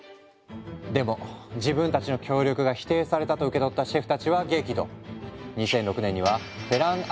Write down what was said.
でも自分たちの協力が否定されたと受け取ったシェフたちは激怒。